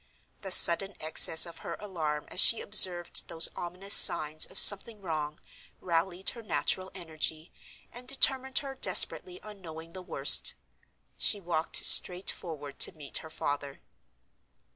The sudden excess of her alarm as she observed those ominous signs of something wrong rallied her natural energy, and determined her desperately on knowing the worst. She walked straight forward to meet her father.